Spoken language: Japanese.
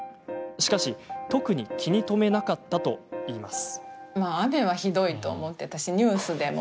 しかし、特に気に留めなかったといいます。